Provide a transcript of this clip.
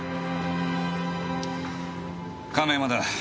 亀山だ。